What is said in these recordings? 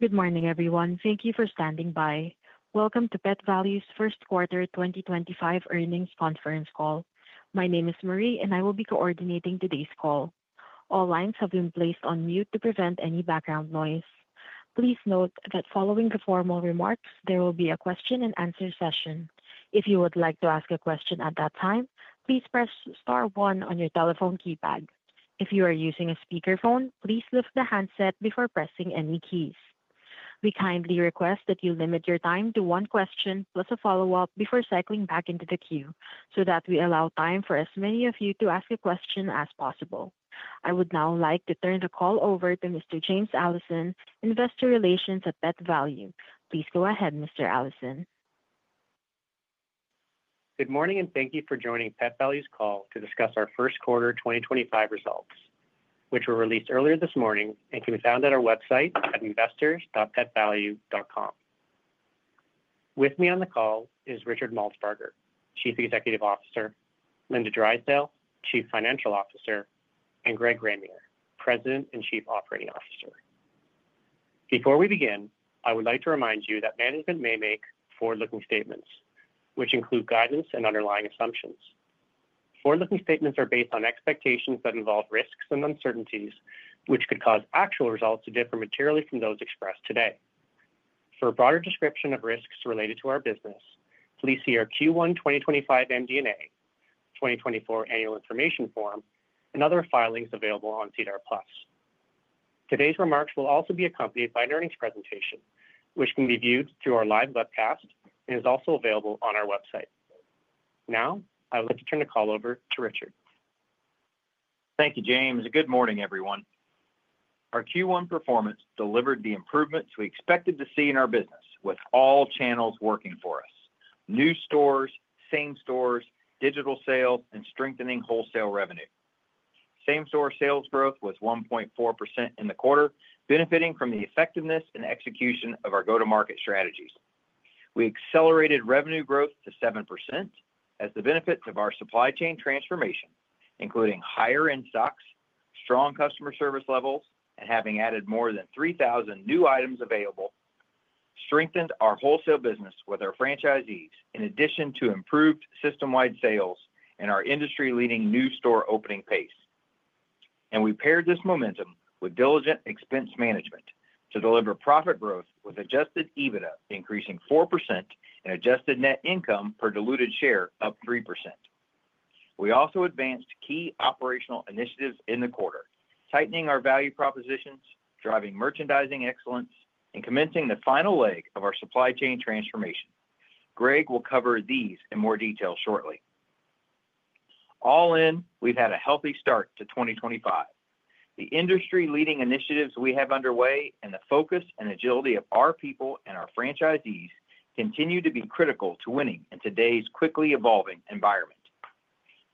Good morning, everyone. Thank you for standing by. Welcome to Pet Valu's first quarter 2025 earnings conference call. My name is Marie, and I will be coordinating today's call. All lines have been placed on mute to prevent any background noise. Please note that following the formal remarks, there will be a question-and-answer session. If you would like to ask a question at that time, please press star one on your telephone keypad. If you are using a speakerphone, please lift the handset before pressing any keys. We kindly request that you limit your time to one question plus a follow-up before cycling back into the queue so that we allow time for as many of you to ask a question as possible. I would now like to turn the call over to Mr. James Allison, Investor Relations at Pet Valu. Please go ahead, Mr. Allison. Good morning, and thank you for joining Pet Valu's call to discuss our first quarter 2025 results, which were released earlier this morning and can be found at our website at investors.petvalu.com. With me on the call is Richard Maltsbarger, Chief Executive Officer; Linda Drysdale, Chief Financial Officer; and Greg Ramier, President and Chief Operating Officer. Before we begin, I would like to remind you that management may make forward-looking statements, which include guidance and underlying assumptions. Forward-looking statements are based on expectations that involve risks and uncertainties, which could cause actual results to differ materially from those expressed today. For a broader description of risks related to our business, please see our Q1 2025 MD&A, 2024 annual information form, and other filings available on SEDAR Plus. Today's remarks will also be accompanied by an earnings presentation, which can be viewed through our live webcast and is also available on our website. Now, I would like to turn the call over to Richard. Thank you, James. Good morning, everyone. Our Q1 performance delivered the improvements we expected to see in our business, with all channels working for us: new stores, same stores, digital sales, and strengthening wholesale revenue. Same-store sales growth was 1.4% in the quarter, benefiting from the effectiveness and execution of our go-to-market strategies. We accelerated revenue growth to 7% as the benefits of our supply chain transformation, including higher-end stocks, strong customer service levels, and having added more than 3,000 new items available, strengthened our wholesale business with our franchisees, in addition to improved system-wide sales and our industry-leading new store opening pace. We paired this momentum with diligent expense management to deliver profit growth with adjusted EBITDA increasing 4% and adjusted net income per diluted share up 3%. We also advanced key operational initiatives in the quarter, tightening our value propositions, driving merchandising excellence, and commencing the final leg of our supply chain transformation. Greg will cover these in more detail shortly. All in, we've had a healthy start to 2025. The industry-leading initiatives we have underway and the focus and agility of our people and our franchisees continue to be critical to winning in today's quickly evolving environment.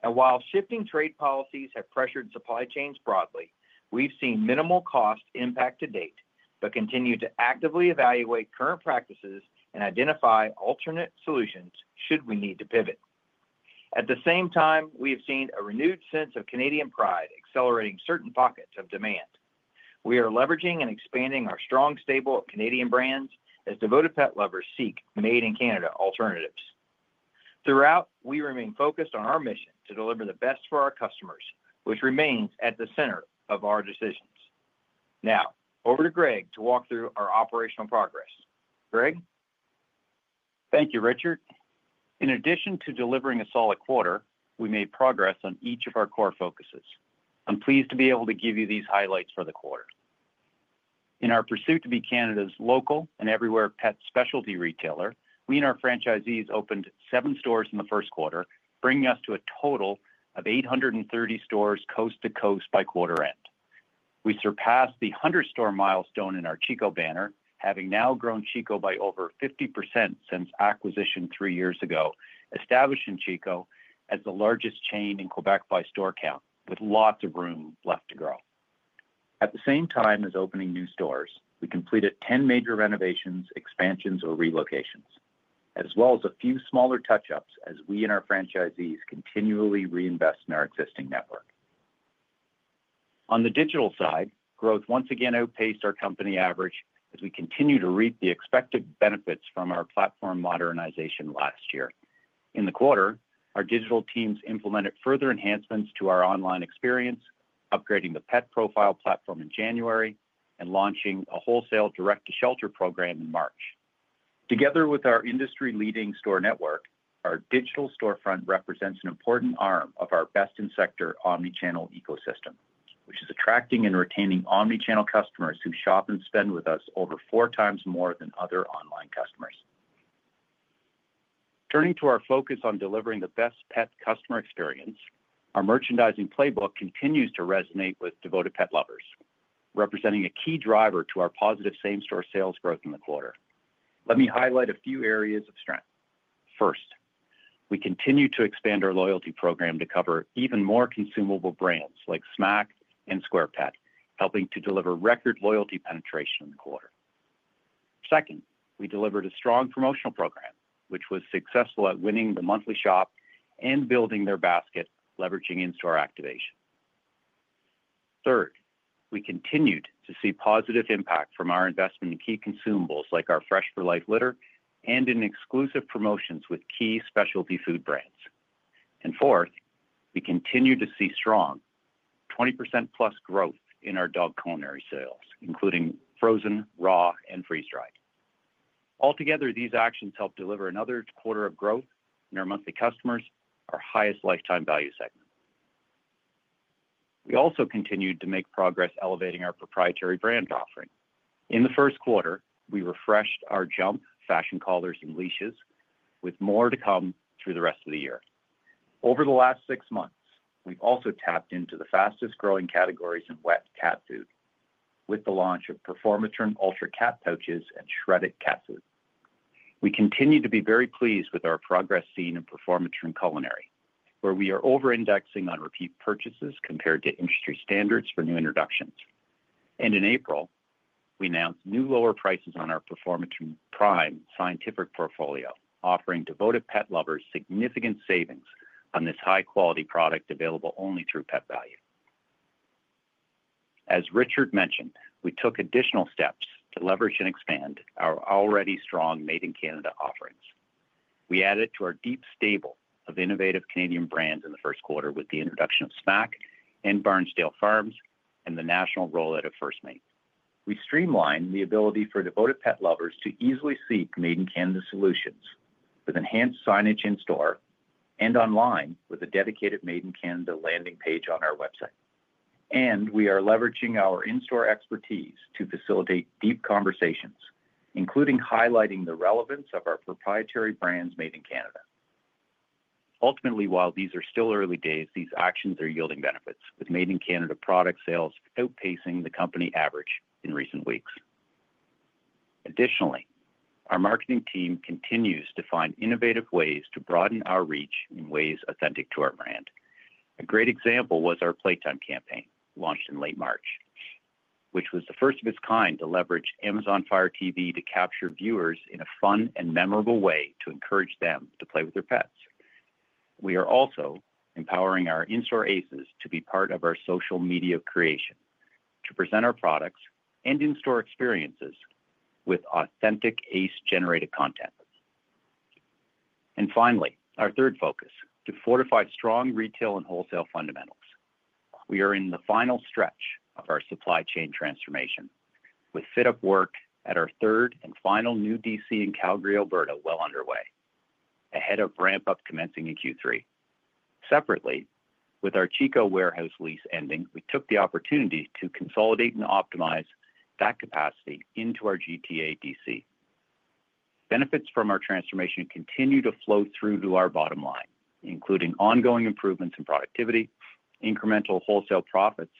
While shifting trade policies have pressured supply chains broadly, we've seen minimal cost impact to date but continue to actively evaluate current practices and identify alternate solutions should we need to pivot. At the same time, we have seen a renewed sense of Canadian pride accelerating certain pockets of demand. We are leveraging and expanding our strong, stable Canadian brands as devoted pet lovers seek Canadian-Canada alternatives. Throughout, we remain focused on our mission to deliver the best for our customers, which remains at the center of our decisions. Now, over to Greg to walk through our operational progress. Greg? Thank you, Richard. In addition to delivering a solid quarter, we made progress on each of our core focuses. I'm pleased to be able to give you these highlights for the quarter. In our pursuit to be Canada's local and everywhere pet specialty retailer, we and our franchisees opened seven stores in the first quarter, bringing us to a total of 830 stores coast to coast by quarter end. We surpassed the 100-store milestone in our Chico banner, having now grown Chico by over 50% since acquisition three years ago, establishing Chico as the largest chain in Quebec by store count, with lots of room left to grow. At the same time as opening new stores, we completed 10 major renovations, expansions, or relocations, as well as a few smaller touch-ups as we and our franchisees continually reinvest in our existing network. On the digital side, growth once again outpaced our company average as we continue to reap the expected benefits from our platform modernization last year. In the quarter, our digital teams implemented further enhancements to our online experience, upgrading the pet profile platform in January and launching a wholesale direct-to-shelter program in March. Together with our industry-leading store network, our digital storefront represents an important arm of our best-in-sector omnichannel ecosystem, which is attracting and retaining omnichannel customers who shop and spend with us over four times more than other online customers. Turning to our focus on delivering the best pet customer experience, our merchandising playbook continues to resonate with devoted pet lovers, representing a key driver to our positive same-store sales growth in the quarter. Let me highlight a few areas of strength. First, we continue to expand our loyalty program to cover even more consumable brands like Smack and SquarePet, helping to deliver record loyalty penetration in the quarter. Second, we delivered a strong promotional program, which was successful at winning the monthly shop and building their basket, leveraging in-store activation. Third, we continued to see positive impact from our investment in key consumables like our Fresh 4 Life litter and in exclusive promotions with key specialty food brands. Fourth, we continue to see strong 20% plus growth in our dog culinary sales, including frozen, raw, and freeze-dried. Altogether, these actions helped deliver another quarter of growth in our monthly customers, our highest lifetime value segment. We also continued to make progress elevating our proprietary brand offering. In the first quarter, we refreshed our JUMP! fashion collars and leashes, with more to come through the rest of the year. Over the last six months, we've also tapped into the fastest-growing categories in wet cat food with the launch of Performatrin Ultra cat pouches and Shredded cat food. We continue to be very pleased with our progress seen in Performatrin Culinary, where we are over-indexing on repeat purchases compared to industry standards for new introductions. In April, we announced new lower prices on our Performatrin Prime scientific portfolio, offering devoted pet lovers significant savings on this high-quality product available only through Pet Valu. As Richard mentioned, we took additional steps to leverage and expand our already strong Made in Canada offerings. We added to our deep stable of innovative Canadian brands in the first quarter with the introduction of Smack and Barnsdale Farms and the national rollout of FirstMate. We streamlined the ability for devoted pet lovers to easily seek Made in Canada solutions with enhanced signage in-store and online with a dedicated Made in Canada landing page on our website. We are leveraging our in-store expertise to facilitate deep conversations, including highlighting the relevance of our proprietary brands Made in Canada. Ultimately, while these are still early days, these actions are yielding benefits, with Made in Canada product sales outpacing the company average in recent weeks. Additionally, our marketing team continues to find innovative ways to broaden our reach in ways authentic to our brand. A great example was our Playtime campaign launched in late March, which was the first of its kind to leverage Amazon Fire TV to capture viewers in a fun and memorable way to encourage them to play with their pets. We are also empowering our in-store ACEs to be part of our social media creation to present our products and in-store experiences with authentic ACE-generated content. Finally, our third focus: to fortify strong retail and wholesale fundamentals. We are in the final stretch of our supply chain transformation, with fit-up work at our third and final new DC in Calgary, Alberta, well underway, ahead of ramp-up commencing in Q3. Separately, with our Chico warehouse lease ending, we took the opportunity to consolidate and optimize that capacity into our GTA DC. Benefits from our transformation continue to flow through to our bottom line, including ongoing improvements in productivity, incremental wholesale profits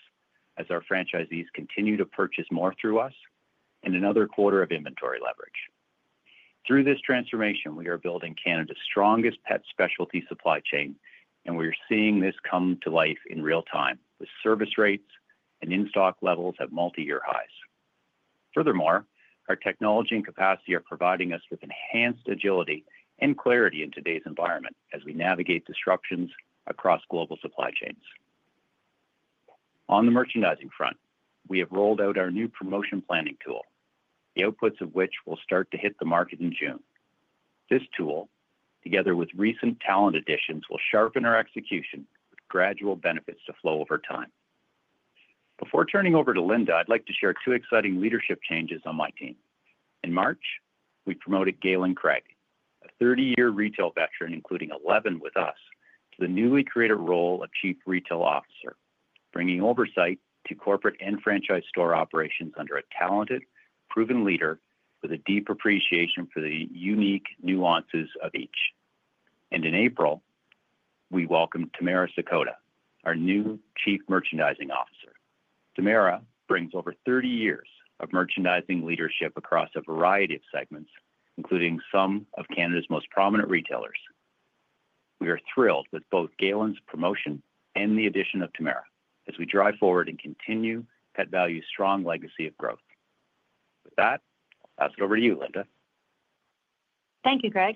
as our franchisees continue to purchase more through us, and another quarter of inventory leverage. Through this transformation, we are building Canada's strongest pet specialty supply chain, and we are seeing this come to life in real time, with service rates and in-stock levels at multi-year highs. Furthermore, our technology and capacity are providing us with enhanced agility and clarity in today's environment as we navigate disruptions across global supply chains. On the merchandising front, we have rolled out our new promotion planning tool, the outputs of which will start to hit the market in June. This tool, together with recent talent additions, will sharpen our execution with gradual benefits to flow over time. Before turning over to Linda, I'd like to share two exciting leadership changes on my team. In March, we promoted Gaylyn Craig, a 30-year retail veteran, including 11 with us, to the newly created role of Chief Retail Officer, bringing oversight to corporate and franchise store operations under a talented, proven leader with a deep appreciation for the unique nuances of each. In April, we welcomed Tamara Sakota, our new Chief Merchandising Officer. Tamara brings over 30 years of merchandising leadership across a variety of segments, including some of Canada's most prominent retailers. We are thrilled with both Gaylyn's promotion and the addition of Tamara as we drive forward and continue Pet Valu's strong legacy of growth. With that, I'll pass it over to you, Linda. Thank you, Greg.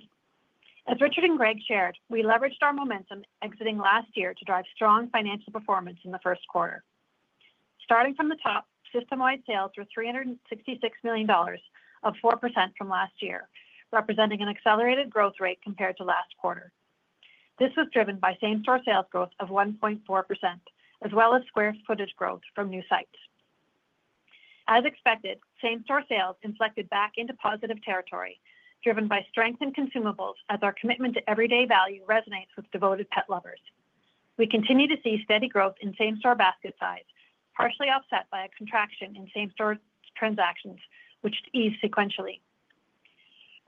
As Richard and Greg shared, we leveraged our momentum exiting last year to drive strong financial performance in the first quarter. Starting from the top, system-wide sales were 366 million dollars, up 4% from last year, representing an accelerated growth rate compared to last quarter. This was driven by same-store sales growth of 1.4%, as well as square footage growth from new sites. As expected, same-store sales inflected back into positive territory, driven by strength in consumables as our commitment to everyday value resonates with devoted pet lovers. We continue to see steady growth in same-store basket size, partially offset by a contraction in same-store transactions, which eased sequentially.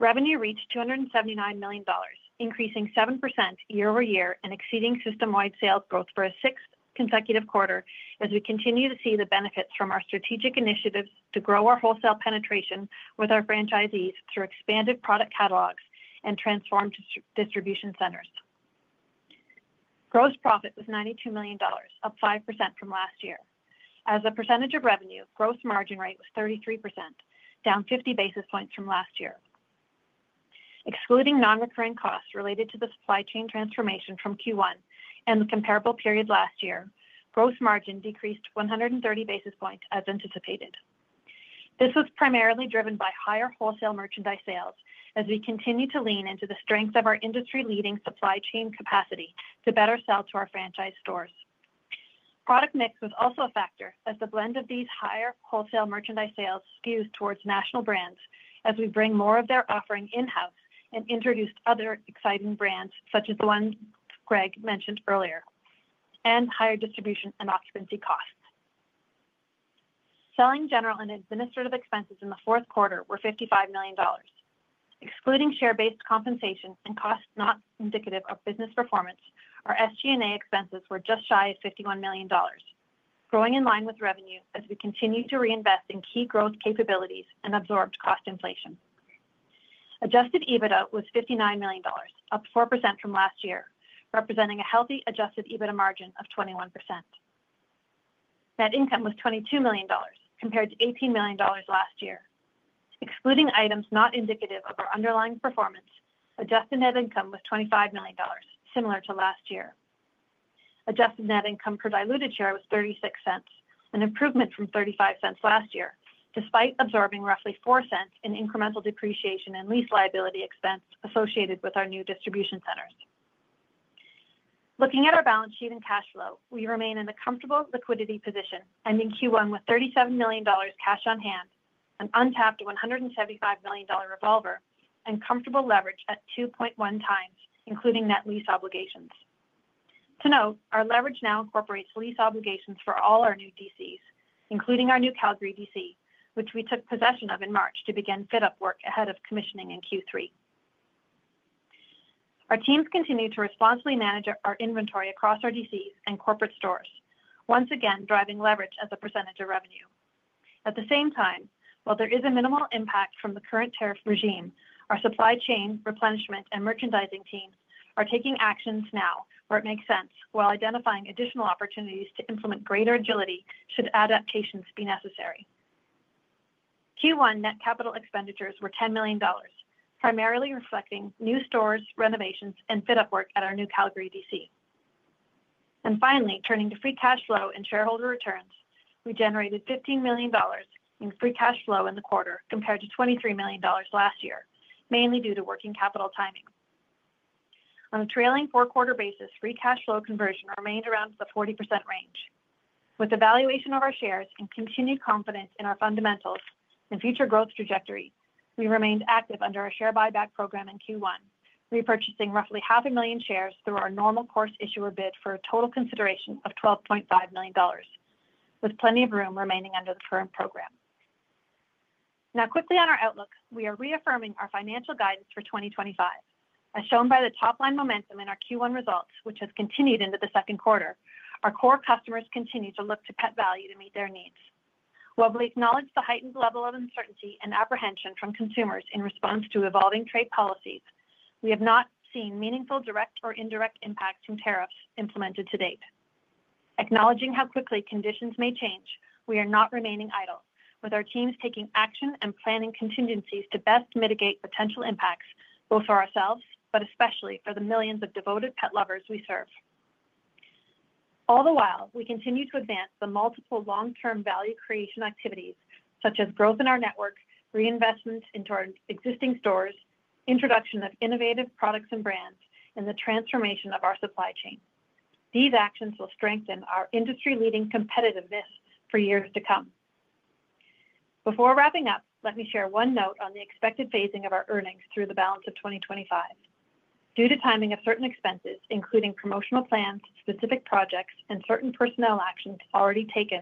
Revenue reached 279 million dollars, increasing 7% year-over-year and exceeding system-wide sales growth for a sixth consecutive quarter as we continue to see the benefits from our strategic initiatives to grow our wholesale penetration with our franchisees through expanded product catalogs and transformed distribution centers. Gross profit was 92 million dollars, up 5% from last year. As a percentage of revenue, gross margin rate was 33%, down 50 basis points from last year. Excluding non-recurring costs related to the supply chain transformation from Q1 and the comparable period last year, gross margin decreased 130 basis points as anticipated. This was primarily driven by higher wholesale merchandise sales as we continue to lean into the strength of our industry-leading supply chain capacity to better sell to our franchise stores. Product mix was also a factor as the blend of these higher wholesale merchandise sales skews towards national brands as we bring more of their offering in-house and introduce other exciting brands, such as the one Greg mentioned earlier, and higher distribution and occupancy costs. Selling, general and administrative expenses in the fourth quarter were 55 million dollars. Excluding share-based compensation and costs not indicative of business performance, our SG&A expenses were just shy of 51 million dollars, growing in line with revenue as we continue to reinvest in key growth capabilities and absorbed cost inflation. Adjusted EBITDA was 59 million dollars, up 4% from last year, representing a healthy adjusted EBITDA margin of 21%. Net income was 22 million dollars, compared to 18 million dollars last year. Excluding items not indicative of our underlying performance, adjusted net income was 25 million dollars, similar to last year. Adjusted net income per diluted share was 0.36, an improvement from 0.35 last year, despite absorbing roughly 0.04 in incremental depreciation and lease liability expense associated with our new distribution centers. Looking at our balance sheet and cash flow, we remain in a comfortable liquidity position, ending Q1 with 37 million dollars cash on hand, an untapped 175 million dollar revolver, and comfortable leverage at 2.1x, including net lease obligations. To note, our leverage now incorporates lease obligations for all our new DCs, including our new Calgary DC, which we took possession of in March to begin fit-up work ahead of commissioning in Q3. Our teams continue to responsibly manage our inventory across our DCs and corporate stores, once again driving leverage as a percentage of revenue. At the same time, while there is a minimal impact from the current tariff regime, our supply chain replenishment and merchandising teams are taking actions now where it makes sense, while identifying additional opportunities to implement greater agility should adaptations be necessary. Q1 net capital expenditures were 10 million dollars, primarily reflecting new stores, renovations, and fit-up work at our new Calgary DC. Finally, turning to free cash flow and shareholder returns, we generated 15 million dollars in free cash flow in the quarter compared to 23 million dollars last year, mainly due to working capital timing. On a trailing four-quarter basis, free cash flow conversion remained around the 40% range. With evaluation of our shares and continued confidence in our fundamentals and future growth trajectory, we remained active under our share buyback program in Q1, repurchasing roughly 500,000 shares through our normal course issuer bid for a total consideration of 12.5 million dollars, with plenty of room remaining under the current program. Now, quickly on our outlook, we are reaffirming our financial guidance for 2025. As shown by the top-line momentum in our Q1 results, which has continued into the second quarter, our core customers continue to look to Pet Valu to meet their needs. While we acknowledge the heightened level of uncertainty and apprehension from consumers in response to evolving trade policies, we have not seen meaningful direct or indirect impacts from tariffs implemented to date. Acknowledging how quickly conditions may change, we are not remaining idle, with our teams taking action and planning contingencies to best mitigate potential impacts both for ourselves, but especially for the millions of devoted pet lovers we serve. All the while, we continue to advance the multiple long-term value creation activities, such as growth in our network, reinvestment into our existing stores, introduction of innovative products and brands, and the transformation of our supply chain. These actions will strengthen our industry-leading competitiveness for years to come. Before wrapping up, let me share one note on the expected phasing of our earnings through the balance of 2025. Due to timing of certain expenses, including promotional plans, specific projects, and certain personnel actions already taken,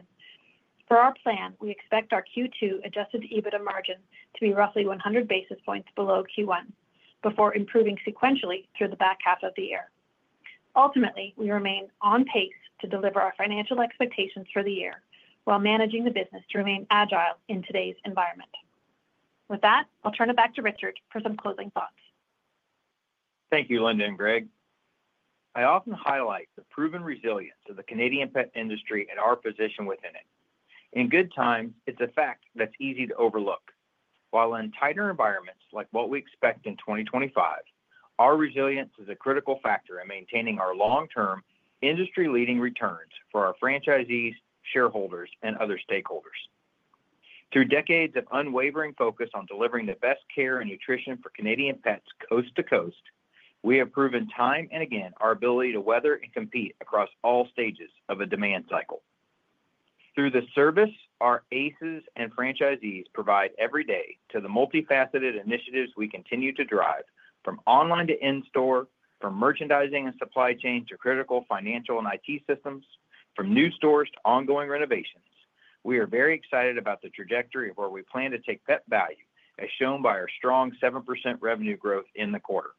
for our plan, we expect our Q2 adjusted EBITDA margin to be roughly 100 basis points below Q1 before improving sequentially through the back half of the year. Ultimately, we remain on pace to deliver our financial expectations for the year while managing the business to remain agile in today's environment. With that, I'll turn it back to Richard for some closing thoughts. Thank you, Linda and Greg. I often highlight the proven resilience of the Canadian pet industry and our position within it. In good times, it's a fact that's easy to overlook. While in tighter environments like what we expect in 2025, our resilience is a critical factor in maintaining our long-term industry-leading returns for our franchisees, shareholders, and other stakeholders. Through decades of unwavering focus on delivering the best care and nutrition for Canadian pets coast to coast, we have proven time and again our ability to weather and compete across all stages of a demand cycle. Through the service our ACEs and franchisees provide every day to the multifaceted initiatives we continue to drive, from online to in-store, from merchandising and supply chain to critical financial and IT systems, from new stores to ongoing renovations, we are very excited about the trajectory of where we plan to take Pet Valu, as shown by our strong 7% revenue growth in the quarter.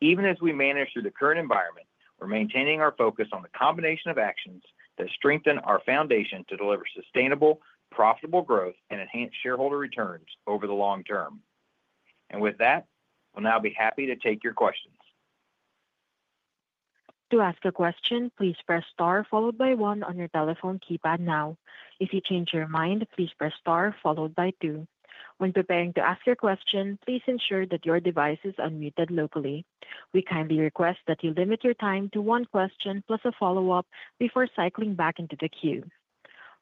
Even as we manage through the current environment, we're maintaining our focus on the combination of actions that strengthen our foundation to deliver sustainable, profitable growth and enhanced shareholder returns over the long term. With that, we'll now be happy to take your questions. To ask a question, please press star followed by one on your telephone keypad now. If you change your mind, please press star followed by two. When preparing to ask your question, please ensure that your device is unmuted locally. We kindly request that you limit your time to one question plus a follow-up before cycling back into the queue.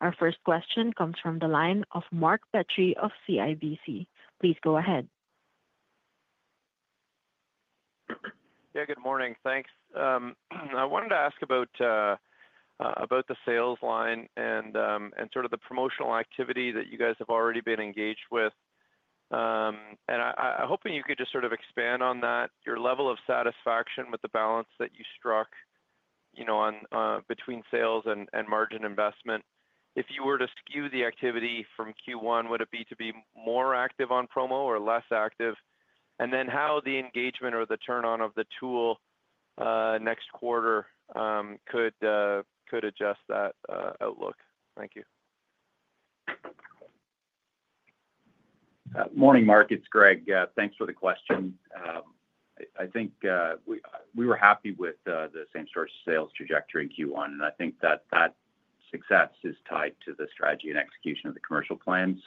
Our first question comes from the line of Mark Petrie of CIBC. Please go ahead. Yeah, good morning. Thanks. I wanted to ask about the sales line and sort of the promotional activity that you guys have already been engaged with. I'm hoping you could just sort of expand on that, your level of satisfaction with the balance that you struck between sales and margin investment. If you were to skew the activity from Q1, would it be to be more active on promo or less active? How the engagement or the turn-on of the tool next quarter could adjust that outlook. Thank you. Morning, Mark. It's Greg. Thanks for the question. I think we were happy with the same-store sales trajectory in Q1, and I think that that success is tied to the strategy and execution of the commercial plan.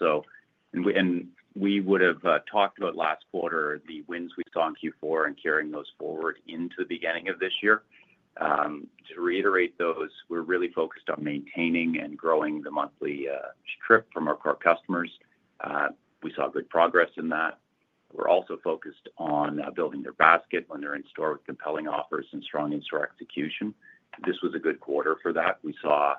We would have talked about last quarter the wins we saw in Q4 and carrying those forward into the beginning of this year. To reiterate those, we're really focused on maintaining and growing the monthly trip from our core customers. We saw good progress in that. We're also focused on building their basket when they're in store with compelling offers and strong in-store execution. This was a good quarter for that. We saw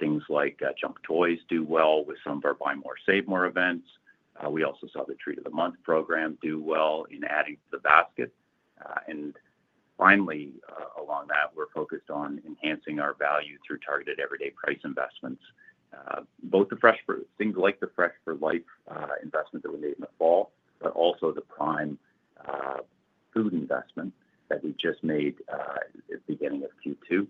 things like JUMP! toys do well with some of our buy more, save more events. We also saw the treat of the month program do well in adding to the basket. Finally, along that, we're focused on enhancing our value through targeted everyday price investments, both the Fresh 4 Life, things like the Fresh 4 Life investment that we made in the fall, but also the Prime food investment that we just made at the beginning of Q2.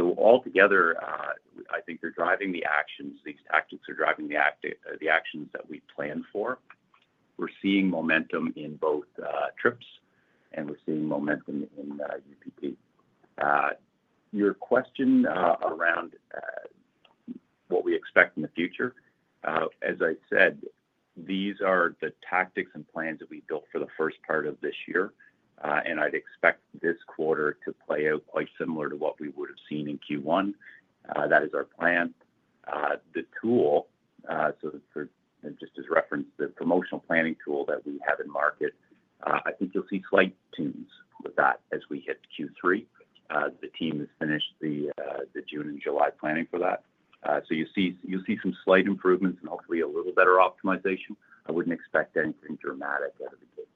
Altogether, I think they're driving the actions. These tactics are driving the actions that we planned for. We're seeing momentum in both trips, and we're seeing momentum in UPP. Your question around what we expect in the future, as I said, these are the tactics and plans that we built for the first part of this year. I'd expect this quarter to play out quite similar to what we would have seen in Q1. That is our plan. The tool, just as reference, the promotional planning tool that we have in market, I think you'll see slight tunes with that as we hit Q3. The team has finished the June and July planning for that. You'll see some slight improvements and hopefully a little better optimization. I wouldn't expect anything dramatic out of the gate.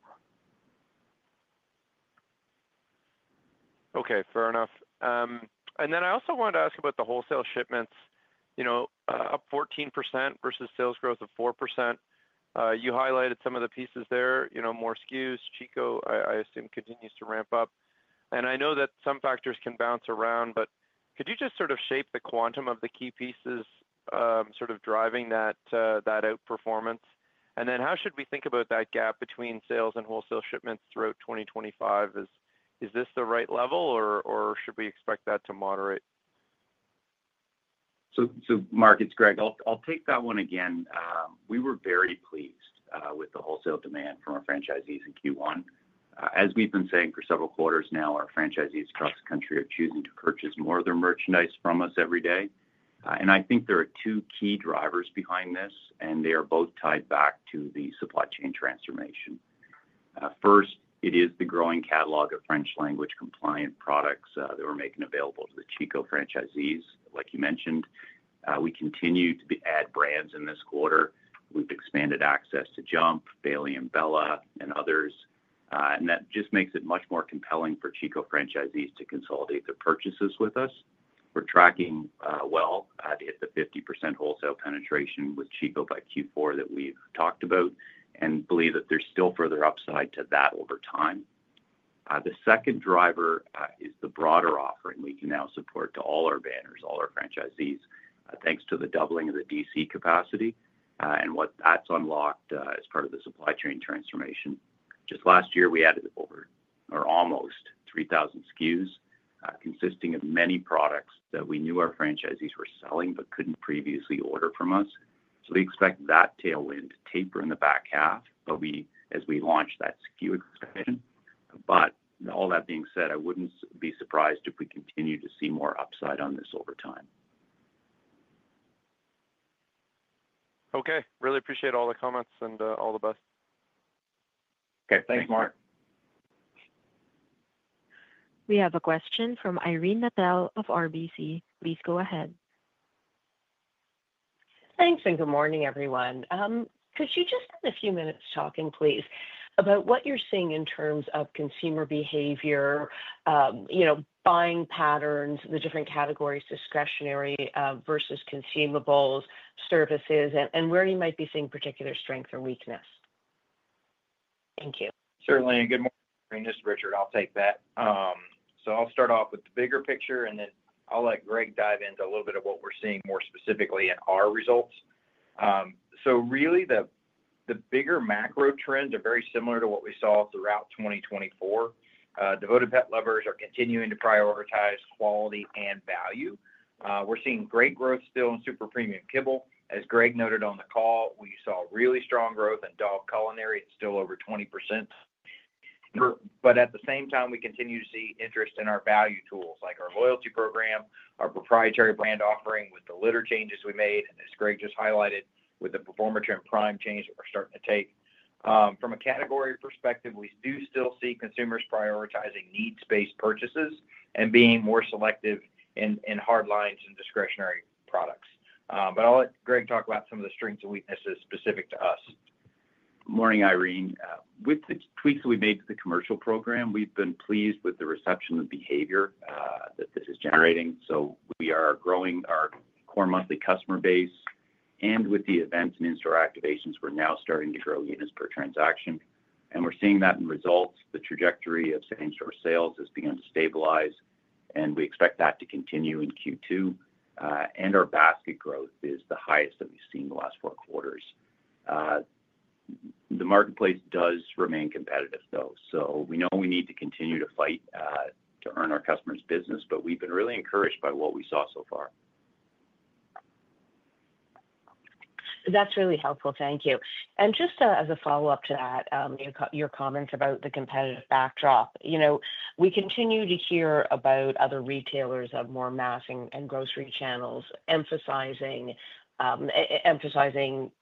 Okay, fair enough. I also wanted to ask about the wholesale shipments, up 14% versus sales growth of 4%. You highlighted some of the pieces there, more SKUs. Chico, I assume, continues to ramp up. I know that some factors can bounce around, but could you just sort of shape the quantum of the key pieces sort of driving that outperformance? How should we think about that gap between sales and wholesale shipments throughout 2025? Is this the right level, or should we expect that to moderate? Mark, it's Greg. I'll take that one again. We were very pleased with the wholesale demand from our franchisees in Q1. As we've been saying for several quarters now, our franchisees across the country are choosing to purchase more of their merchandise from us every day. I think there are two key drivers behind this, and they are both tied back to the supply chain transformation. First, it is the growing catalog of French-language compliant products that we're making available to the Chico franchisees, like you mentioned. We continue to add brands in this quarter. We've expanded access to JUMP!, Bailey & Bella, and others. That just makes it much more compelling for Chico franchisees to consolidate their purchases with us. We're tracking well to hit the 50% wholesale penetration with Chico by Q4 that we've talked about and believe that there's still further upside to that over time. The second driver is the broader offering we can now support to all our banners, all our franchisees, thanks to the doubling of the DC capacity and what that's unlocked as part of the supply chain transformation. Just last year, we added over or almost 3,000 SKUs consisting of many products that we knew our franchisees were selling but couldn't previously order from us. We expect that tailwind to taper in the back half as we launch that SKU expansion. All that being said, I wouldn't be surprised if we continue to see more upside on this over time. Okay. Really appreciate all the comments and all the best. Okay. Thanks, Mark. We have a question from Irene Nattel of RBC. Please go ahead. Thanks, and good morning, everyone. Could you just spend a few minutes talking, please, about what you're seeing in terms of consumer behavior, buying patterns, the different categories, discretionary versus consumables, services, and where you might be seeing particular strength or weakness? Thank you. Certainly. Good morning, Irene and Richard. I'll take that. I'll start off with the bigger picture, and then I'll let Greg dive into a little bit of what we're seeing more specifically in our results. Really, the bigger macro trends are very similar to what we saw throughout 2024. Devoted pet lovers are continuing to prioritize quality and value. We're seeing great growth still in super premium kibble. As Greg noted on the call, we saw really strong growth in dog culinary and still over 20%. At the same time, we continue to see interest in our value tools like our loyalty program, our proprietary brand offering with the litter changes we made, and as Greg just highlighted, with the Performatrin Prime change that we're starting to take. From a category perspective, we do still see consumers prioritizing needs-based purchases and being more selective in hard lines and discretionary products. I'll let Greg talk about some of the strengths and weaknesses specific to us. Morning, Irene. With the tweaks that we made to the commercial program, we've been pleased with the reception and behavior that this is generating. We are growing our core monthly customer base. With the events and in-store activations, we're now starting to grow units per transaction. We're seeing that in results. The trajectory of same-store sales has begun to stabilize, and we expect that to continue in Q2. Our basket growth is the highest that we've seen in the last four quarters. The marketplace does remain competitive, though. We know we need to continue to fight to earn our customers' business, but we've been really encouraged by what we saw so far. That's really helpful. Thank you. Just as a follow-up to that, your comments about the competitive backdrop, we continue to hear about other retailers of more mass and grocery channels emphasizing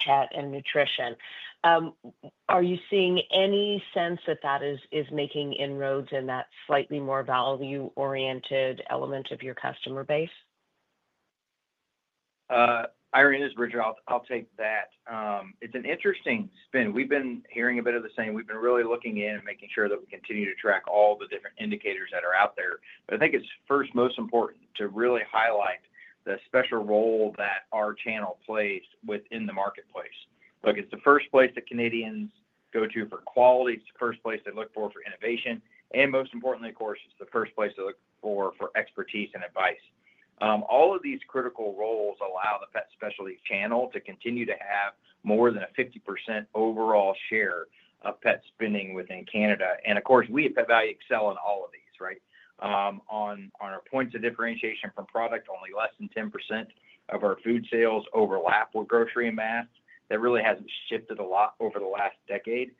pet and nutrition. Are you seeing any sense that that is making inroads in that slightly more value-oriented element of your customer base? Irene, as Richard, I'll take that. It's an interesting spin. We've been hearing a bit of the same. We've been really looking in and making sure that we continue to track all the different indicators that are out there. I think it's first, most important to really highlight the special role that our channel plays within the marketplace. Look, it's the first place that Canadians go to for quality. It's the first place they look for for innovation. Most importantly, of course, it's the first place they look for for expertise and advice. All of these critical roles allow the pet specialty channel to continue to have more than a 50% overall share of pet spending within Canada. Of course, we at Pet Valu excel in all of these, right? On our points of differentiation from product, only less than 10% of our food sales overlap with grocery and mass. That really hasn't shifted a lot over the last decade.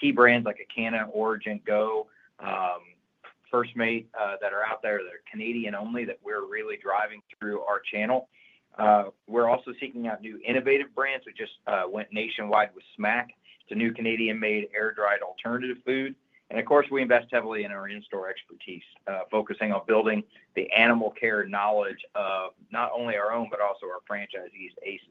Key brands like ACANA, Orijen, Go!, FirstMate that are out there that are Canadian only that we're really driving through our channel. We're also seeking out new innovative brands. We just went nationwide with Smack. It's a new Canadian-made air-dried alternative food. Of course, we invest heavily in our in-store expertise, focusing on building the animal care knowledge of not only our own but also our franchisees' ACEs.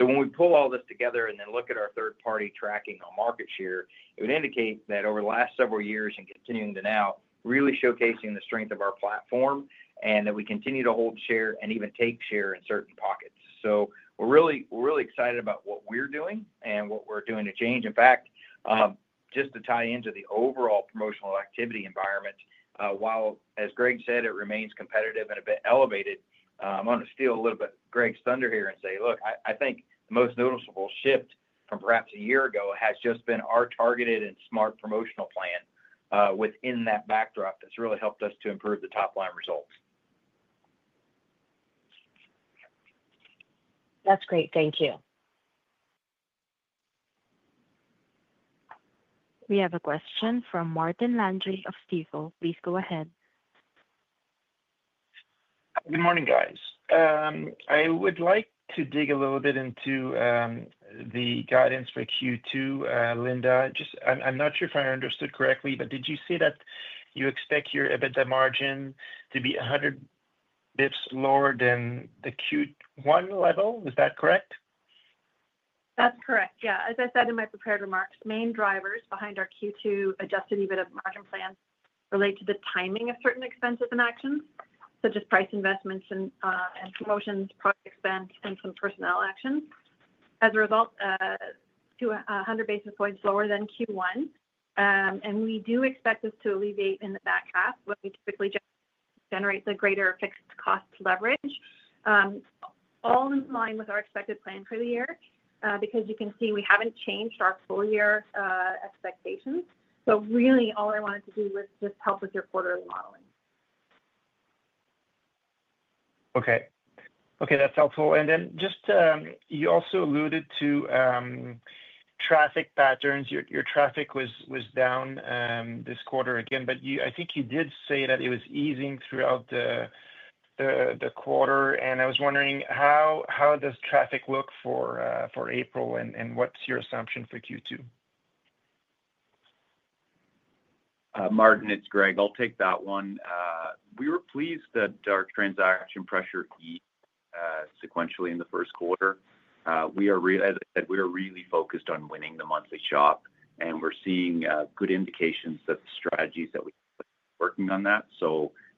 When we pull all this together and then look at our third-party tracking on market share, it would indicate that over the last several years and continuing to now, really showcasing the strength of our platform and that we continue to hold share and even take share in certain pockets. We are really excited about what we are doing and what we are doing to change. In fact, just to tie into the overall promotional activity environment, while, as Greg said, it remains competitive and a bit elevated, I am going to steal a little bit of Greg's thunder here and say, look, I think the most noticeable shift from perhaps a year ago has just been our targeted and smart promotional plan within that backdrop that has really helped us to improve the top-line results. That's great. Thank you. We have a question from Martin Landry of Stifel. Please go ahead. Good morning, guys. I would like to dig a little bit into the guidance for Q2, Linda. I'm not sure if I understood correctly, but did you say that you expect your EBITDA margin to be 100 basis points lower than the Q1 level? Is that correct? That's correct. Yeah. As I said in my prepared remarks, main drivers behind our Q2 adjusted EBITDA margin plan relate to the timing of certain expenses and actions, such as price investments and promotions, product expense, and some personnel actions. As a result, to 100 basis points lower than Q1. We do expect this to alleviate in the back half when we typically generate the greater fixed cost leverage, all in line with our expected plan for the year, because you can see we haven't changed our full-year expectations. Really, all I wanted to do was just help with your quarterly modeling. Okay. Okay, that's helpful. You also alluded to traffic patterns. Your traffic was down this quarter again, but I think you did say that it was easing throughout the quarter. I was wondering, how does traffic look for April, and what's your assumption for Q2? Martin, it's Greg. I'll take that one. We were pleased that our transaction pressure eased sequentially in the first quarter. As I said, we are really focused on winning the monthly shop, and we're seeing good indications of strategies that we're working on that.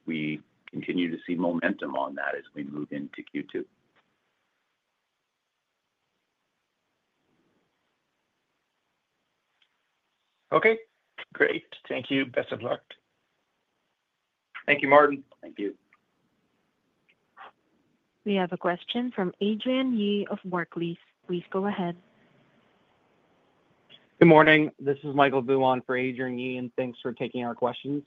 We continue to see momentum on that as we move into Q2. Okay. Great. Thank you. Best of luck. Thank you, Martin. Thank you. We have a question from Adrian Yee of Barclays. Please go ahead. Good morning. This is Michael Vu for Adrian Yee, and thanks for taking our questions.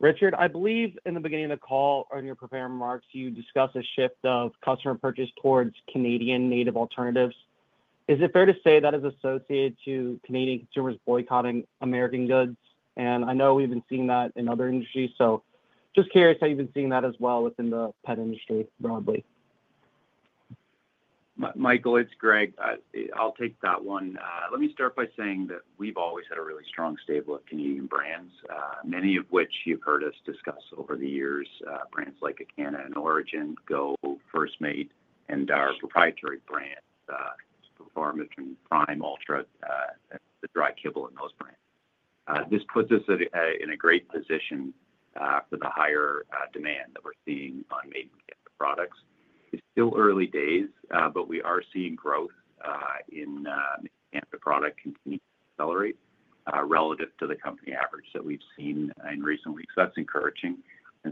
Richard, I believe in the beginning of the call, in your prepared remarks, you discussed a shift of customer purchase towards Canadian native alternatives. Is it fair to say that is associated to Canadian consumers boycotting American goods? I know we've been seeing that in other industries, so just curious how you've been seeing that as well within the pet industry broadly. Michael, it's Greg. I'll take that one. Let me start by saying that we've always had a really strong stable of Canadian brands, many of which you've heard us discuss over the years, brands like ACANA, Orijen, Go!, FirstMate, and our proprietary brand, Performatrin Prime, Ultra, the dry kibble in those brands. This puts us in a great position for the higher demand that we're seeing on made-in-Canada products. It's still early days, but we are seeing growth in made-in-Canada product continue to accelerate relative to the company average that we've seen in recent weeks. That's encouraging.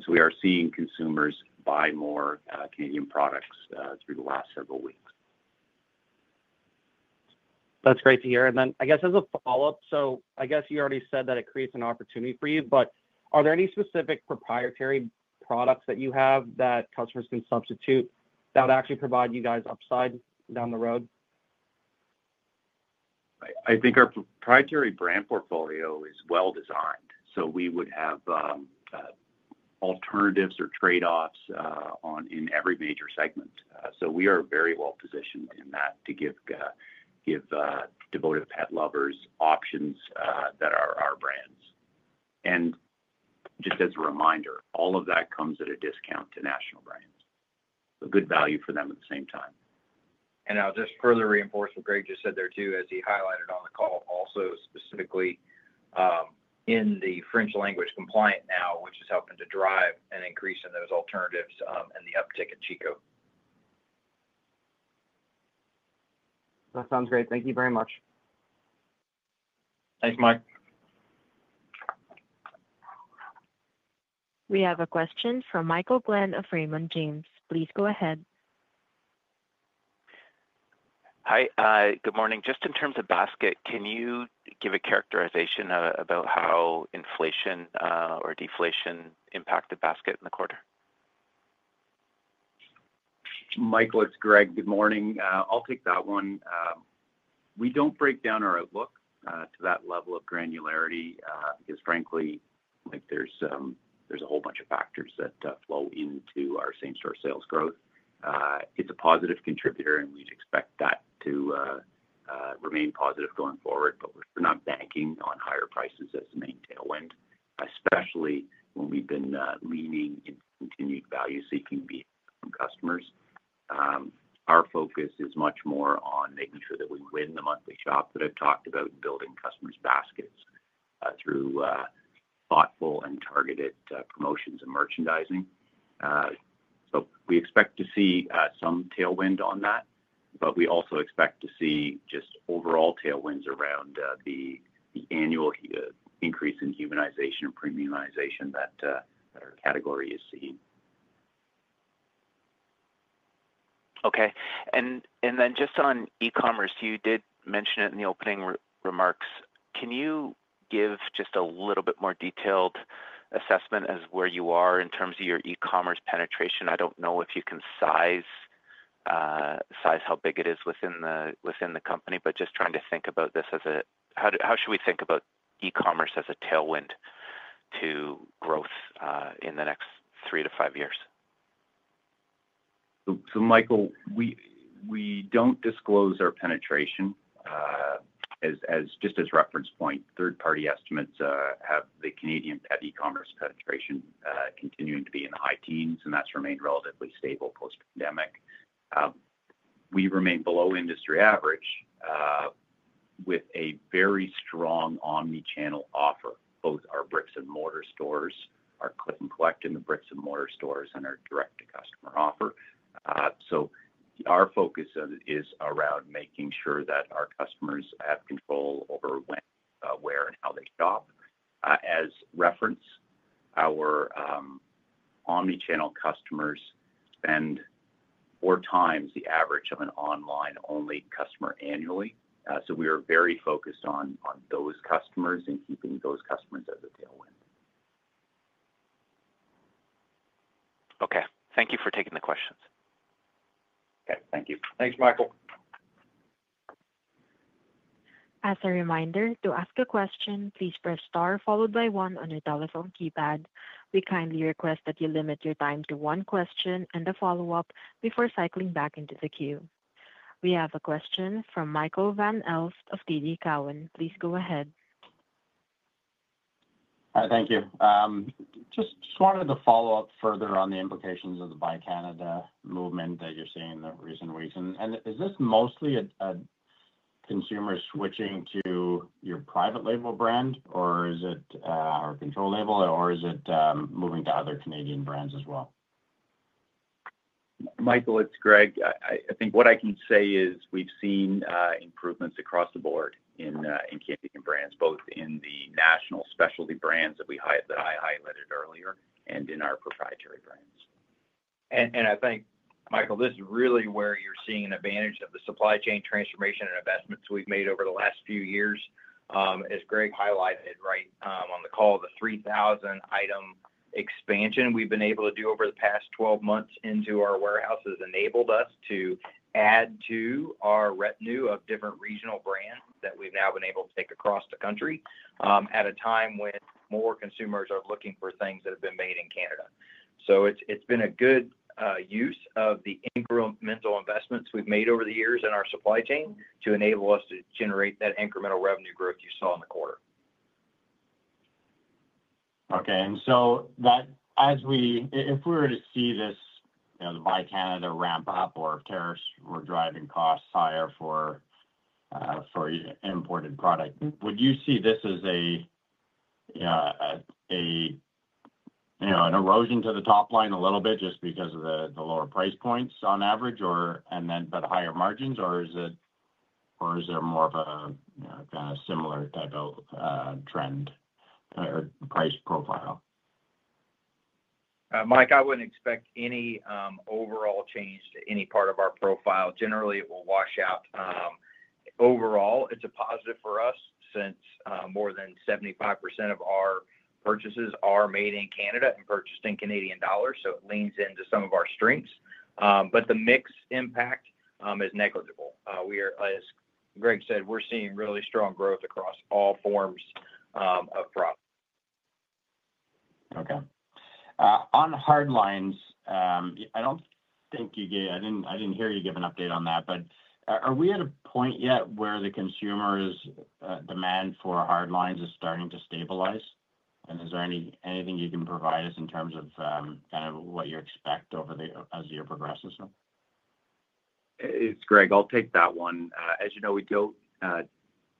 We are seeing consumers buy more Canadian products through the last several weeks. That's great to hear. I guess as a follow-up, I guess you already said that it creates an opportunity for you, but are there any specific proprietary products that you have that customers can substitute that would actually provide you guys upside down the road? I think our proprietary brand portfolio is well designed. We would have alternatives or trade-offs in every major segment. We are very well positioned in that to give devoted pet lovers options that are our brands. Just as a reminder, all of that comes at a discount to national brands, so good value for them at the same time. I'll just further reinforce what Greg just said there too, as he highlighted on the call, also specifically in the French-language compliant now, which is helping to drive an increase in those alternatives and the uptick in Chico. That sounds great. Thank you very much. Thanks, Mike. We have a question from Michael Glen of Raymond James. Please go ahead. Hi, good morning. Just in terms of basket, can you give a characterization about how inflation or deflation impacted basket in the quarter? Michael, it's Greg. Good morning. I'll take that one. We don't break down our outlook to that level of granularity because, frankly, there's a whole bunch of factors that flow into our same-store sales growth. It's a positive contributor, and we'd expect that to remain positive going forward, but we're not banking on higher prices as the main tailwind, especially when we've been leaning into continued value-seeking behavior from customers. Our focus is much more on making sure that we win the monthly shop that I've talked about in building customers' baskets through thoughtful and targeted promotions and merchandising. We expect to see some tailwind on that, but we also expect to see just overall tailwinds around the annual increase in humanization and premiumization that our category is seeing. Okay. And then just on e-commerce, you did mention it in the opening remarks. Can you give just a little bit more detailed assessment as where you are in terms of your e-commerce penetration? I do not know if you can size how big it is within the company, but just trying to think about this as a how should we think about e-commerce as a tailwind to growth in the next three to five years? Michael, we do not disclose our penetration just as reference point. Third-party estimates have the Canadian pet e-commerce penetration continuing to be in the high teens, and that has remained relatively stable post-pandemic. We remain below industry average with a very strong omnichannel offer. Both our bricks-and-mortar stores, our Click & Collect in the bricks-and-mortar stores, and our direct-to-customer offer. Our focus is around making sure that our customers have control over when, where, and how they shop. As reference, our omnichannel customers spend four times the average of an online-only customer annually. We are very focused on those customers and keeping those customers as a tailwind. Okay. Thank you for taking the questions. Okay. Thank you. Thanks, Michael. As a reminder, to ask a question, please press star followed by one on your telephone keypad. We kindly request that you limit your time to one question and a follow-up before cycling back into the queue. We have a question from Michael Van Aelst of TD Cowen. Please go ahead. Thank you. Just wanted to follow up further on the implications of the Buy Canada movement that you're seeing in the recent weeks. Is this mostly consumers switching to your private label brand, or is it our control label, or is it moving to other Canadian brands as well? Michael, it's Greg. I think what I can say is we've seen improvements across the board in Canadian brands, both in the national specialty brands that I highlighted earlier and in our proprietary brands. I think, Michael, this is really where you're seeing an advantage of the supply chain transformation and investments we've made over the last few years. As Greg highlighted right on the call, the 3,000-item expansion we've been able to do over the past 12 months into our warehouses has enabled us to add to our revenue of different regional brands that we've now been able to take across the country at a time when more consumers are looking for things that have been made in Canada. It has been a good use of the incremental investments we've made over the years in our supply chain to enable us to generate that incremental revenue growth you saw in the quarter. Okay. If we were to see the Buy Canada ramp up or if tariffs were driving costs higher for imported product, would you see this as an erosion to the top line a little bit just because of the lower price points on average but higher margins, or is there more of a kind of similar type of trend or price profile? Mike, I wouldn't expect any overall change to any part of our profile. Generally, it will wash out. Overall, it's a positive for us since more than 75% of our purchases are made in Canada and purchased in Canadian dollars, so it leans into some of our strengths. The mixed impact is negligible. As Greg said, we're seeing really strong growth across all forms of product. Okay. On hard lines, I do not think you gave—I did not hear you give an update on that, but are we at a point yet where the consumer demand for hard lines is starting to stabilize? Is there anything you can provide us in terms of kind of what you expect as the year progresses? It's Greg. I'll take that one. As you know, we don't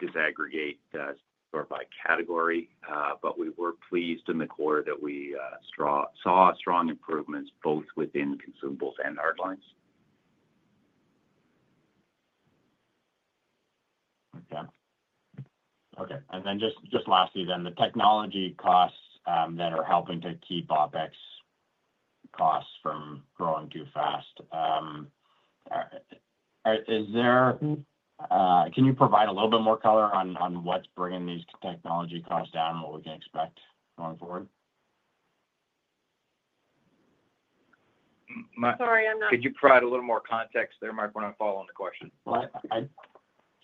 disaggregate by category, but we were pleased in the quarter that we saw strong improvements both within consumables and hard lines. Okay. Okay. Lastly, the technology costs that are helping to keep OpEx costs from growing too fast. Can you provide a little bit more color on what's bringing these technology costs down and what we can expect going forward? Sorry, I'm not. Could you provide a little more context there, Mike, when I'm following the question?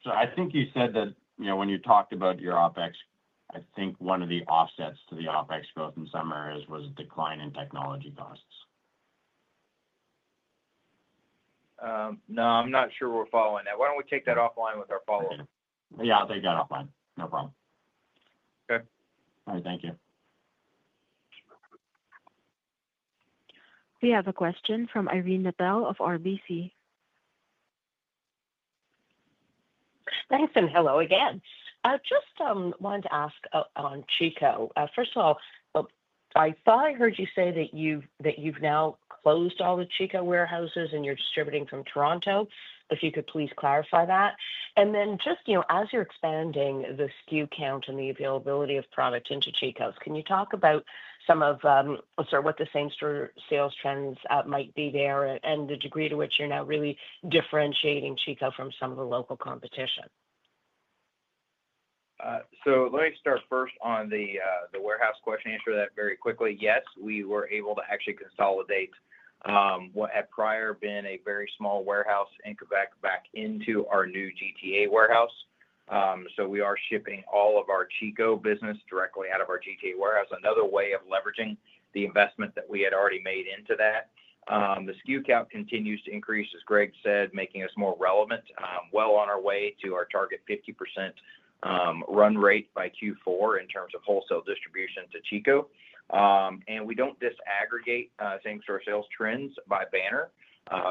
I think you said that when you talked about your OpEx, I think one of the offsets to the OpEx growth in some areas was a decline in technology costs. No, I'm not sure we're following that. Why don't we take that offline with our follow-up? Yeah, I'll take that offline. No problem. Okay. All right. Thank you. We have a question from Irene Nattel of RBC. Thanks and hello again. Just wanted to ask on Chico. First of all, I thought I heard you say that you've now closed all the Chico warehouses and you're distributing from Toronto. If you could please clarify that. Just as you're expanding the SKU count and the availability of product into Chico's, can you talk about some of—sorry, what the same-store sales trends might be there and the degree to which you're now really differentiating Chico from some of the local competition? Let me start first on the warehouse question. Answer that very quickly. Yes, we were able to actually consolidate what had prior been a very small warehouse in Quebec back into our new GTA warehouse. We are shipping all of our Chico business directly out of our GTA warehouse. Another way of leveraging the investment that we had already made into that. The SKU count continues to increase, as Greg said, making us more relevant. Well on our way to our target 50% run rate by Q4 in terms of wholesale distribution to Chico. We do not disaggregate same-store sales trends by banner,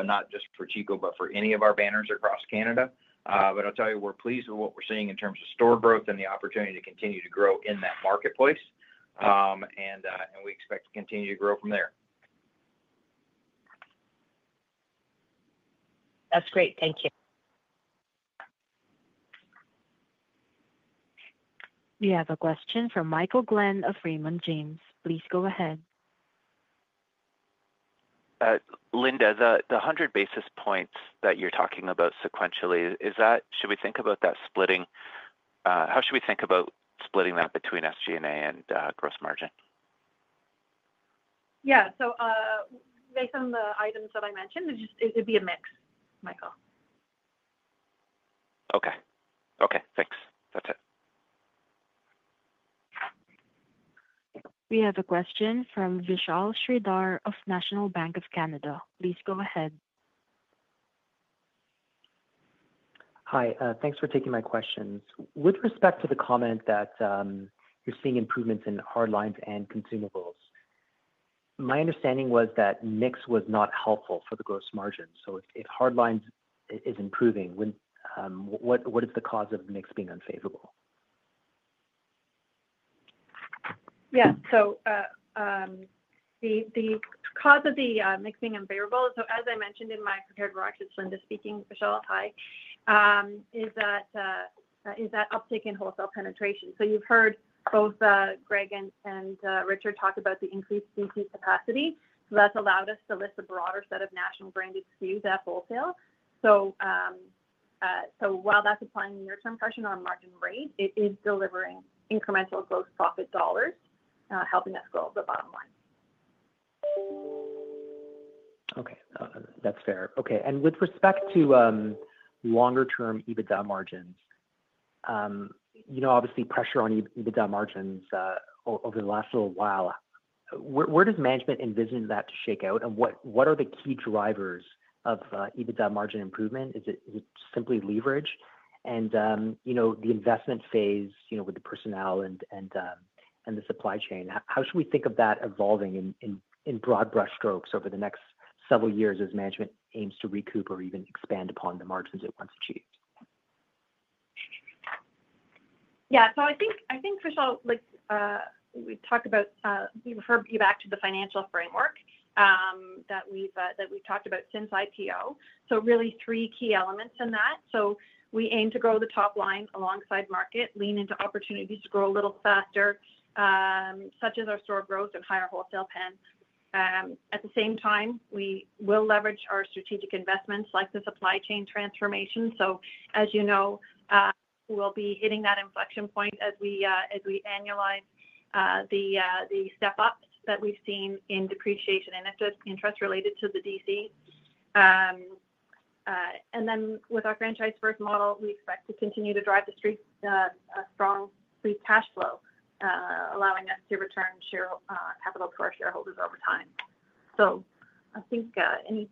not just for Chico, but for any of our banners across Canada. I'll tell you, we're pleased with what we're seeing in terms of store growth and the opportunity to continue to grow in that marketplace. We expect to continue to grow from there. That's great. Thank you. We have a question from Michael Glen of Raymond James. Please go ahead. Linda, the 100 basis points that you're talking about sequentially, should we think about that splitting? How should we think about splitting that between SG&A and gross margin? Yeah. Based on the items that I mentioned, it'd be a mix, Michael. Okay. Okay. Thanks. That's it. We have a question from Vishal Shreedhar of National Bank of Canada. Please go ahead. Hi. Thanks for taking my questions. With respect to the comment that you're seeing improvements in hard lines and consumables, my understanding was that mix was not helpful for the gross margin. If hard lines is improving, what is the cause of mix being unfavorable? Yeah. The cause of the mix being unfavorable, as I mentioned in my prepared remarks, it's Linda speaking, Vishal, hi, is that uptake in wholesale penetration. You've heard both Greg and Richard talk about the increased CP capacity. That's allowed us to list a broader set of national-branded SKUs at wholesale. While that's applying a near-term pressure on margin rate, it is delivering incremental gross profit dollars, helping us grow the bottom line. Okay. That's fair. Okay. With respect to longer-term EBITDA margins, obviously, pressure on EBITDA margins over the last little while, where does management envision that to shake out? What are the key drivers of EBITDA margin improvement? Is it simply leverage? The investment phase with the personnel and the supply chain, how should we think of that evolving in broad brush strokes over the next several years as management aims to recoup or even expand upon the margins it once achieved? Yeah. I think, Vishal, we've talked about—we referred you back to the financial framework that we've talked about since IPO. Really, three key elements in that. We aim to grow the top line alongside market, lean into opportunities to grow a little faster, such as our store growth and higher wholesale pen. At the same time, we will leverage our strategic investments like the supply chain transformation. As you know, we'll be hitting that inflection point as we annualize the step-ups that we've seen in depreciation and interest related to the DC. With our franchise-first model, we expect to continue to drive the street's strong free cash flow, allowing us to return capital to our shareholders over time. I think any.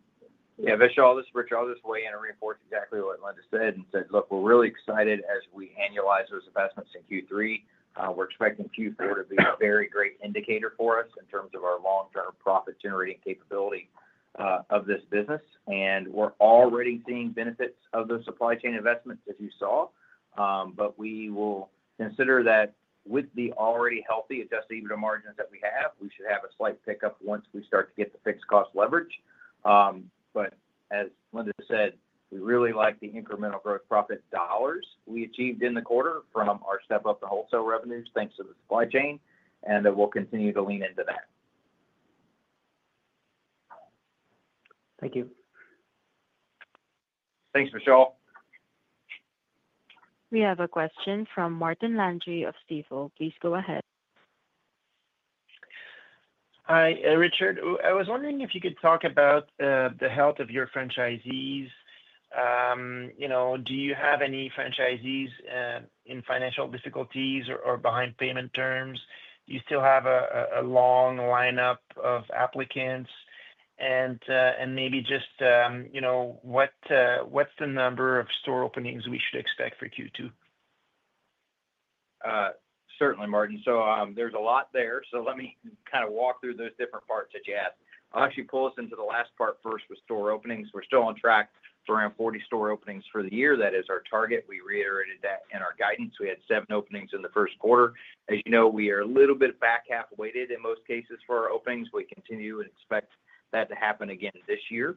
Yeah. Vishal, I'll just weigh in and reinforce exactly what Linda said and said, "Look, we're really excited as we annualize those investments in Q3. We're expecting Q4 to be a very great indicator for us in terms of our long-term profit-generating capability of this business." We're already seeing benefits of those supply chain investments, as you saw. We will consider that with the already healthy adjusted EBITDA margins that we have, we should have a slight pickup once we start to get the fixed cost leverage. As Linda said, we really like the incremental gross profit dollars we achieved in the quarter from our step-up in wholesale revenues thanks to the supply chain, and that we'll continue to lean into that. Thank you. Thanks, Vishal. We have a question from Martin Landry of Stifel. Please go ahead. Hi, Richard. I was wondering if you could talk about the health of your franchisees. Do you have any franchisees in financial difficulties or behind payment terms? Do you still have a long lineup of applicants? Maybe just what's the number of store openings we should expect for Q2? Certainly, Martin. There is a lot there. Let me kind of walk through those different parts that you asked. I'll actually pull us into the last part first with store openings. We are still on track for around 40 store openings for the year. That is our target. We reiterated that in our guidance. We had seven openings in the first quarter. As you know, we are a little bit back-half weighted in most cases for our openings. We continue and expect that to happen again this year.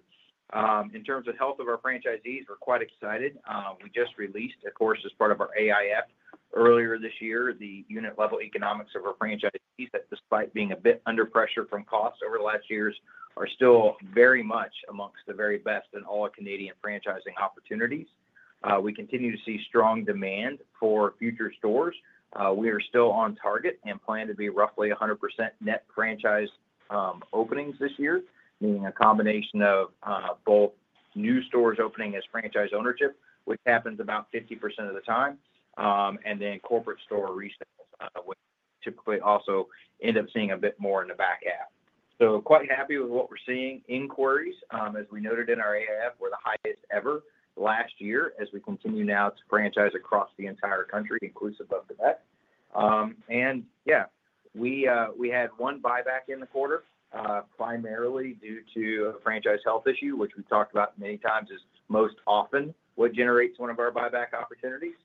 In terms of health of our franchisees, we are quite excited. We just released, of course, as part of our AIF earlier this year, the unit-level economics of our franchisees that, despite being a bit under pressure from costs over the last years, are still very much amongst the very best in all Canadian franchising opportunities. We continue to see strong demand for future stores. We are still on target and plan to be roughly 100% net franchise openings this year, meaning a combination of both new stores opening as franchise ownership, which happens about 50% of the time, and then corporate store resales, which typically also end up seeing a bit more in the back half. Quite happy with what we're seeing. Inquiries, as we noted in our AIF, were the highest ever last year as we continue now to franchise across the entire country, inclusive of Quebec. Yeah, we had one buyback in the quarter primarily due to a franchise health issue, which we've talked about many times is most often what generates one of our buyback opportunities.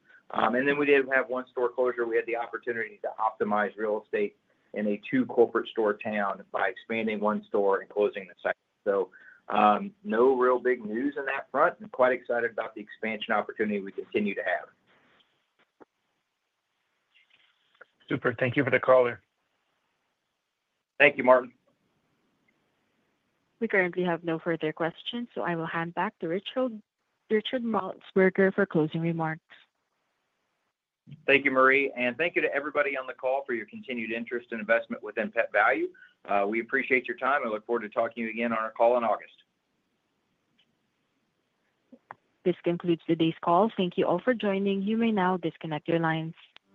We did have one store closure. We had the opportunity to optimize real estate in a two-corporate store town by expanding one store and closing the second. No real big news in that front. I'm quite excited about the expansion opportunity we continue to have. Super. Thank you for the caller. Thank you, Martin. We currently have no further questions, so I will hand back to Richard Maltsbarger for closing remarks. Thank you, Marie. Thank you to everybody on the call for your continued interest and investment within Pet Valu. We appreciate your time and look forward to talking to you again on our call in August. This concludes today's call. Thank you all for joining. You may now disconnect your lines.